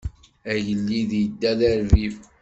Agellid idda d arbib.